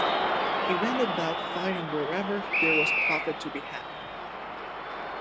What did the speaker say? He went about fighting wherever there was profit to be had.